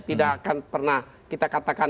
tidak akan pernah kita katakan